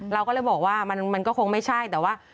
เราก็เลยบอกว่ามันก็คงไม่ใช่แต่ว่า